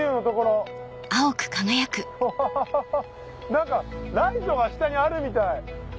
何かライトが下にあるみたい。